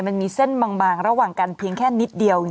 มันมีเส้นบางระหว่างกันเพียงแค่นิดเดียว